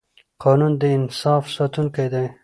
قانون د انصاف ساتونکی دی